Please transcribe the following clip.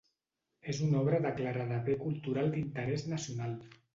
És una obra declarada Bé cultural d'interès nacional.